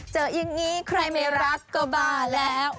เจออย่างนี้ใครไม่รักก็บ้าแล้ว